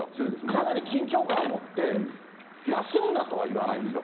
かなり緊張感を持って、休むなとは言わないですよ。